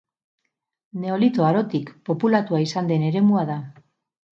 Neolito Arotik populatua izan den eremua da.